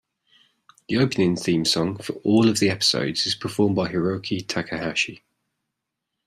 The opening theme song for all of the episodes is performed by Hiroki Takahashi.